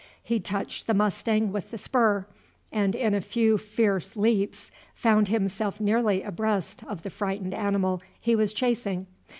He touched the mustang with the spur, and in a few fierce leaps found himself nearly abreast of the frightened animal he was chasing.